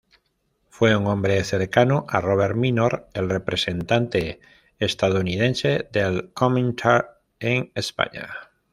Fue un hombre cercano a Robert Minor, el representante estadounidense del Komintern en España.